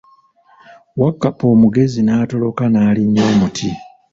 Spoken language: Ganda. Wakkapa omugezi naatoloka n'alinya omuti.